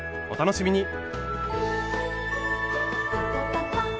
お楽しみに！